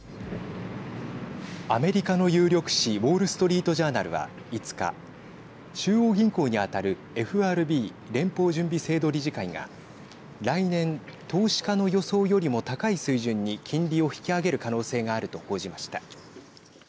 アメリカの有力紙ウォール・ストリート・ジャーナルは５日中央銀行にあたるＦＲＢ＝連邦準備制度理事会が来年、投資家の予想よりも高い水準に金利を引き上げる可能性があると報じました。